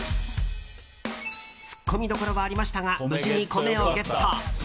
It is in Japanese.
ツッコミどころはありましたが無事に米をゲット。